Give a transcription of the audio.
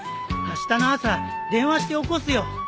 あしたの朝電話して起こすよ。